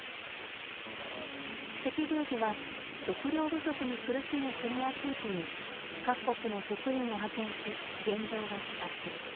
赤十字は食料不足に苦しむ国や地域に各国の職員を派遣し現状を視察。